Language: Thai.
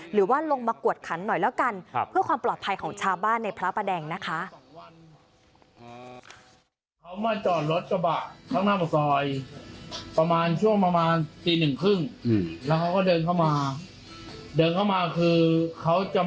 หรือว่าลงมากวดขันหน่อยแล้วกันเพื่อความปลอดภัยของชาวบ้านในพระประแดงนะคะ